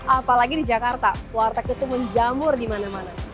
apalagi di jakarta warteg itu menjamur di mana mana